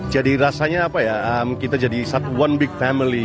jadi rasanya apa ya kita jadi one big family